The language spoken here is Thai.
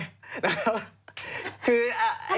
แล้วคือ